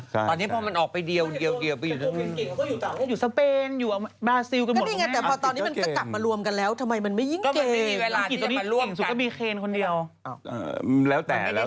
ใช่ใช่ใช่ใช่ใช่ใช่ใช่ใช่ใช่ใช่ใช่ใช่ใช่ใช่